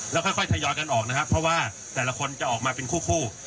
แล้วค่อยทยอยกันออกนะครับเพราะว่าแต่ละคนจะออกมาเป็นคู่